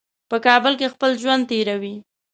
په کابل کې خپل ژوند تېروي.